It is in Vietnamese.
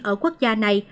ở quốc gia này